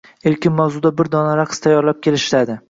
erkin mavzuda bir dona raqs tayyorlab kelishadi.